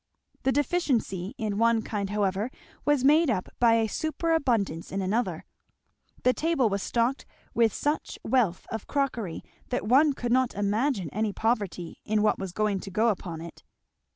The deficiency in one kind however was made up by superabundance in another; the table was stocked with such wealth of crockery that one could not imagine any poverty in what was to go upon it.